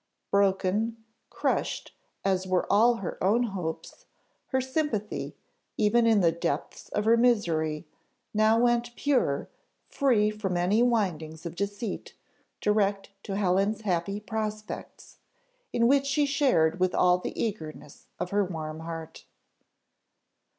Broken, crushed, as were all her own hopes, her sympathy, even in the depths of her misery, now went pure, free from any windings of deceit, direct to Helen's happy prospects, in which she shared with all the eagerness of her warm heart.